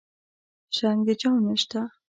شرنګ د جام نشته